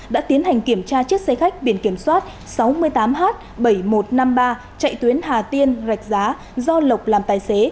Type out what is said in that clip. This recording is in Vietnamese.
đã tiến hành kiểm tra chiếc xe khách biển kiểm soát sáu mươi tám h bảy nghìn một trăm năm mươi ba chạy tuyến hà tiên rạch giá do lộc làm tài xế